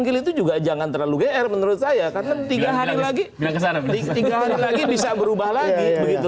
itu juga jangan terlalu geer menurut saya karena tiga hari lagi bisa berubah lagi